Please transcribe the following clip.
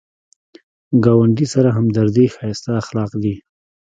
ګاونډي سره همدردي ښایسته اخلاق دي